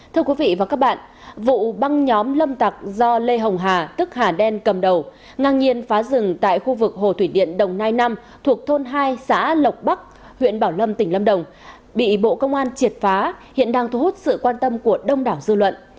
thưa quý vị và các bạn vụ băng nhóm lâm tặc do lê hồng hà tức hà đen cầm đầu ngang nhiên phá rừng tại khu vực hồ thủy điện đồng nai năm thuộc thôn hai xã lộc bắc huyện bảo lâm tỉnh lâm đồng bị bộ công an triệt phá hiện đang thu hút sự quan tâm của đông đảo dư luận